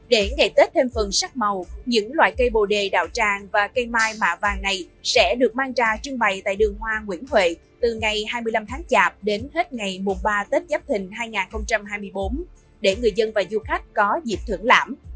để ngày tết thêm phần sắc màu những loại cây bồ đề đạo tràng và cây mai mạ vàng này sẽ được mang ra trưng bày tại đường hoa nguyễn huệ từ ngày hai mươi năm tháng chạp đến hết ngày mùa ba tết giáp thình hai nghìn hai mươi bốn để người dân và du khách có dịp thưởng lãm